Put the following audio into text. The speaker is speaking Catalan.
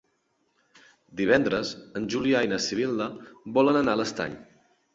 Divendres en Julià i na Sibil·la volen anar a l'Estany.